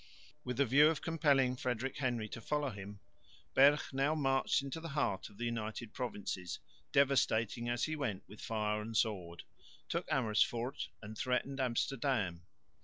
With the view of compelling Frederick Henry to follow him, Berg now marched into the heart of the United Provinces, devastating as he went with fire and sword, took Amersfoort and threatened Amsterdam.